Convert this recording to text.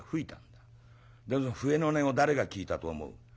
だけど笛の音を誰が聞いたと思う？」。